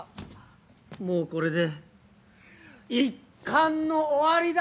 もうこれで一巻の終わりだ！